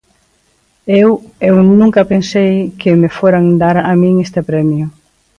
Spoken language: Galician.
Eu eu nunca pensei que me foran dar a min este premio.